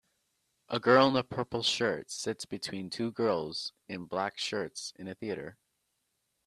A girl in a purple shirt sits between two girls in black shirts in a theater.